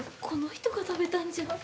この人が食べたんじゃ。